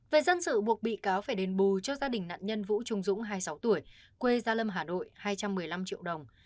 về dân sự buộc bị cáo phải đền bù cho gia đình nạn nhân vũ trung dũng hai mươi sáu tuổi quê gia lâm hà nội hai trăm một mươi năm triệu đồng